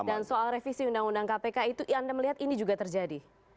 dan soal revisi undang undang kpk itu anda melihat ini juga terjadi